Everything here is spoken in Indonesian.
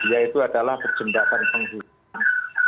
dia itu adalah jembatan penghubung